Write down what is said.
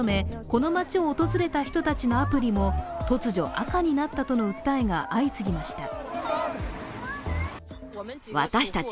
この街を訪れた人たちのアプリも突如、赤になったとの訴えが相次ぎました。